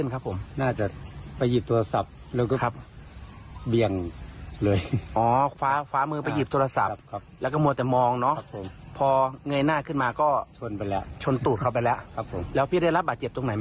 ก็มีบาตแปลกแล้วก็เจ็บหนูหนูหน่อย